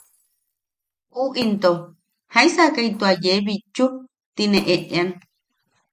U into “¿jaisakai tua yee bitchu?” tine eʼean.